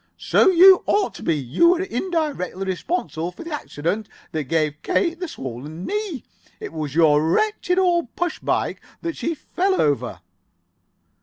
"So you ought to be. You were indirectly responsible for the accident that gave Kate the swollen knee. It was your wretched old push bike that she fell over."